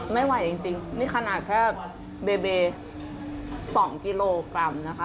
ไม่ไหวจริงนี่ขนาดแค่เบเบ๒กิโลกรัมนะคะ